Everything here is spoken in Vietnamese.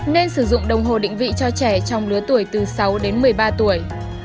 nên sử dụng đồng hồ định vị cho trẻ trong lứa tuổi từ sáu đến một mươi ba tuổi